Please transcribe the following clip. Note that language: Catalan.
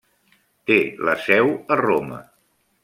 Té la seu a Roma.